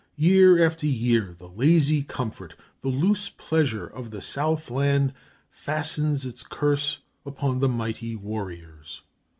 Year after year the lazy comfort, the loose pleasure, of the south land fastens its curse upon the mighty warriors.